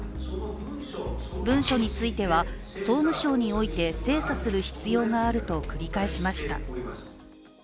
文書については総務省において精査する必要があると繰り返しました。